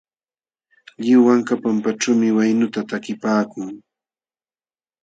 Lliw wanka pampaćhuumi waynu takipaakun.